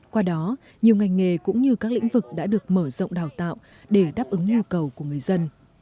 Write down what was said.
qua đó nhiều ngành nghề cũng như các lĩnh vực đã được mở rộng đào tạo để đáp ứng nhu cầu của người dân